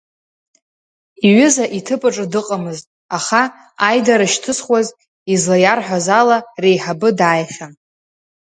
Иҩыза иҭыԥ аҿы дыҟамызт, аха, аидара шьҭызхуаз излаиарҳәаз ала, реиҳабы дааихьан.